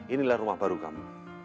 inilah rumah baru kamu